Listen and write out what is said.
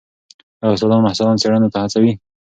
ایا استادان محصلان څېړنو ته هڅوي؟